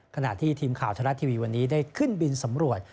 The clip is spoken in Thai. ขณะที่ทีมข่าวทรัฐทีวีวันนี้ได้ขึ้นบินสำรวจ